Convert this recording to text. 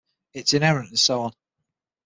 It's inerrant and so on.